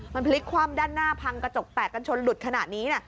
มันพลิกคว่ำด้านหน้าพังกระจกแตกกันชนหลุดขนาดนี้